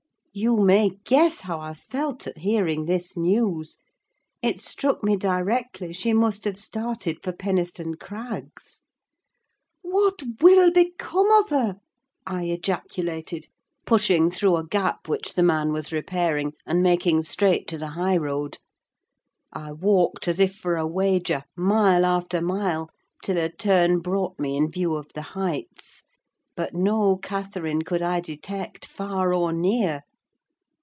You may guess how I felt at hearing this news. It struck me directly she must have started for Penistone Crags. "What will become of her?" I ejaculated, pushing through a gap which the man was repairing, and making straight to the high road. I walked as if for a wager, mile after mile, till a turn brought me in view of the Heights; but no Catherine could I detect, far or near.